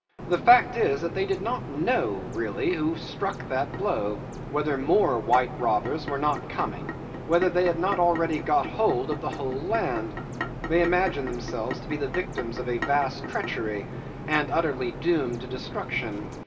The fact is that they did not know really who struck that blow whether more white robbers were not coming, whether they had not already got hold of the whole land. They imagined themselves to be the victims of a vast treachery, and utterly doomed to destruction.